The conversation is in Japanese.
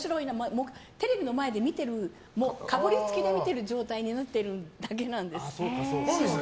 テレビの前でかぶりつきで見てる状態になってるだけなんです。